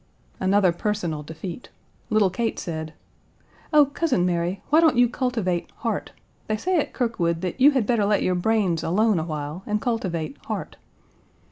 Another personal defeat. Little Kate said: "Oh, Cousin Mary, why don't you cultivate heart? They say at Kirkwood that you had better let your brains alone a while and cultivate heart."